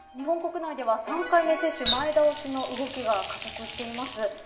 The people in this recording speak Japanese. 日本国内では３回目接種前倒しの動きが加速しています。